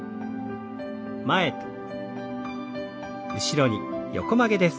前と後ろに横曲げです。